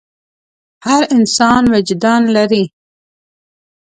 هر انسان وجدان لري.